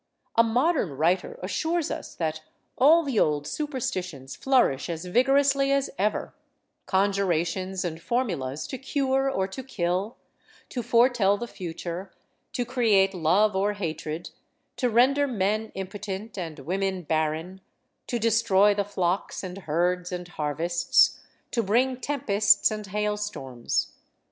A modern writer assures us that all the old superstitions flourish as vigorously as ever — conjurations and formulas to cure or to kill, to foretell the future, to create love or hatred, to render men impotent and women barren, to destroy the flocks and herds and hai vests, to bring tempests and hail storms.